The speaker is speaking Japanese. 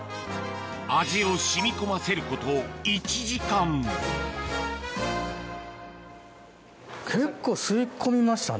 味を染み込ませること１時間結構吸い込みましたね。